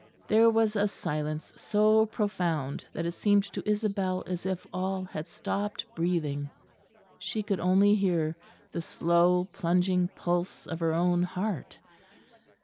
There was a silence so profound that it seemed to Isabel as if all had stopped breathing. She could only hear the slow plunging pulse of her own heart.